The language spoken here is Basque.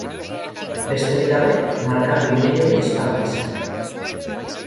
Besterik gabe, markatu e-mail hori spam gisa.